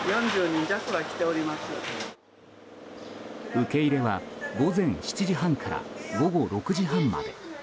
受け入れは午前７時半から午後６時半まで。